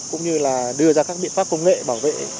cũng như là đưa ra các biện pháp công nghệ bảo vệ